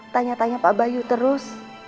tanya tanya pak bayu terus